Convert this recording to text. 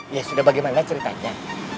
ya sudah bagaimana ceritanya